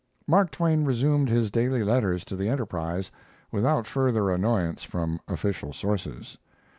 Mark Twain resumed his daily letters to the Enterprise, without further annoyance from official sources.